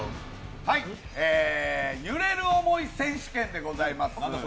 「揺れる想い選手権」でございます。